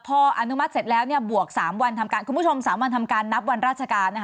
พออนุมัติเสร็จแล้วปวก๓วันคุณผู้ชม๓วันนับวันราชการ